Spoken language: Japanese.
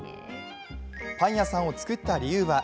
パン屋さんを作った理由は。